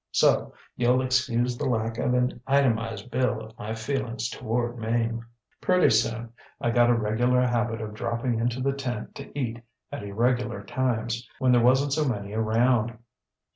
So, youŌĆÖll excuse the lack of an itemised bill of my feelings toward Mame. ŌĆ£Pretty soon I got a regular habit of dropping into the tent to eat at irregular times when there wasnŌĆÖt so many around.